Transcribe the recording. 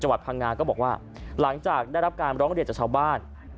วัดพังงาก็บอกว่าหลังจากได้รับการร้องเรียนจากชาวบ้าน